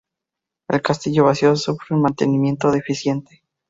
El castillo vacío sufre un mantenimiento deficiente.